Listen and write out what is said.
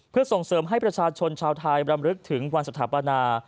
เพื่อส่งเสริมให้ประชาชนชาวไทยรำลึกถึงวันสถาปนา